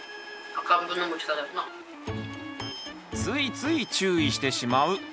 ついつい注意してしまう。